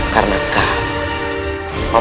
karena bukan kau